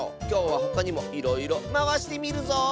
きょうはほかにもいろいろまわしてみるぞ。